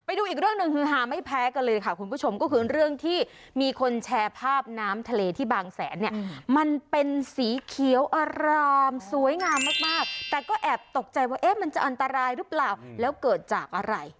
ดูอีกเรื่องหนึ่งฮือฮาไม่แพ้กันเลยค่ะคุณผู้ชมก็คือเรื่องที่มีคนแชร์ภาพน้ำทะเลที่บางแสนเนี่ยมันเป็นสีเขียวอารามสวยงามมากมากแต่ก็แอบตกใจว่าเอ๊ะมันจะอันตรายหรือเปล่าแล้วเกิดจากอะไร